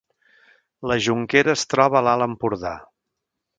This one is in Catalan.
La Jonquera es troba a l’Alt Empordà